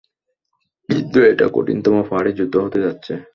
কিন্তু এটা কঠিনতম পাহাড়ি যুদ্ধ হতে যাচ্ছে।